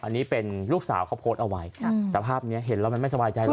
อันนี้เป็นลูกสาวเขาโพสต์เอาไว้แต่ภาพนี้เห็นแล้วมันไม่สบายใจห